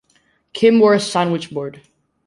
Kim wore "a sandwich board".